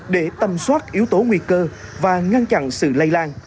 để tầm soát yếu tố nguy cơ và ngăn chặn sự lây lan